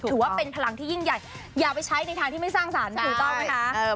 ถือว่าเป็นพลังที่ยิ่งใหญ่อย่าไปใช้ในทางที่ไม่สร้างสรรค์ถูกต้องไหมคะ